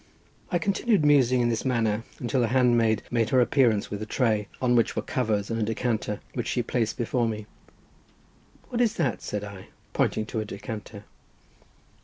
I continued musing in this manner until the handmaid made her appearance with a tray, on which were covers and a decanter, which she placed before me. "What is that?" said I, pointing to a decanter.